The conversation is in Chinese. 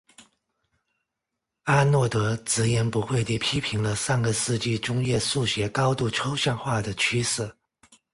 阿诺德直言不讳地批评了上个世纪中叶数学高度抽象化的趋势。